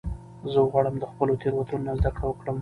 زه غواړم د خپلو تیروتنو نه زده کړه وکړم.